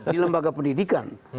di lembaga pendidikan